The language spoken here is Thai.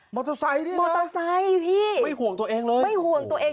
มทอไซค์ด้วยนะไม่ห่วงตัวเองเลยพี่ไม่ห่วงตัวเอง